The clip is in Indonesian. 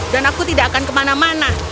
dan aku tidak akan kemana mana